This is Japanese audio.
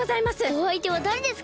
おあいてはだれですか？